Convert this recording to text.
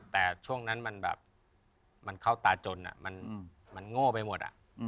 แต่ช่วงนั้นมันแบบมันเข้าตาจนมันโง่ไปหมด